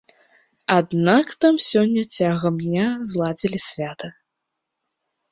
Аднак там сёння цягам дня зладзілі свята.